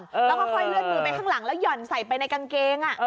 แล้วค่อยเลื่อนมือไปข้างหลังแล้วหย่อนใส่ไปในกางเกง